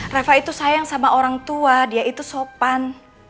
rafa itu sayang sama orang tua dia itu sopan